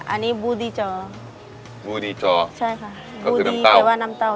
อันนี้บูดีจอบูดีจอใช่ค่ะก็คือน้ำเต้าบูดีแปลว่าน้ำเต้า